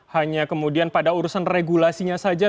hanya kemudian pada urusan regulasinya saja